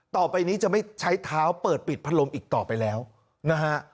ต่อไปนี้จะไม่ใช้เท้าเปิดปิดพัดลมอีกต่อไปแล้วนะฮะ